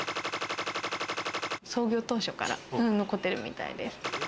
○○、創業当初から残っているみたいです。